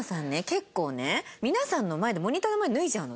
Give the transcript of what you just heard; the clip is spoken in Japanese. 結構ね皆さんの前でモニターの前で脱いじゃうのね。